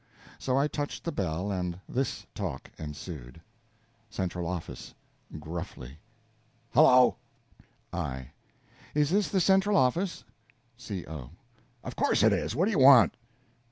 So I touched the bell, and this talk ensued: Central Office. (Gruffly.) Hello! I. Is it the Central Office? C. O. Of course it is. What do you want?